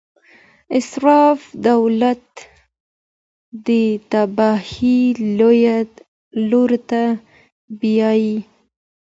اسراف دولت د تباهۍ لور ته بیايي.